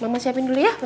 mama siapin dulu ya